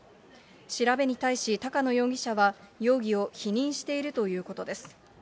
調べに対し、高野容疑者は、容疑を否認しているということです。